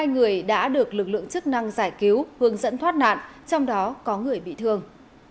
một mươi người đã được lực lượng chức năng giải cứu hướng dẫn thoát nạn trong đó có người bị thương